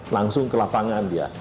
langsung ke lapangan dia